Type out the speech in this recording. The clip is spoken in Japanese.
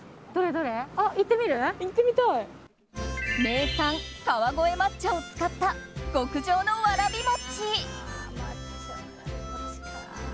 名産・川越抹茶を使った極上のわらび餅。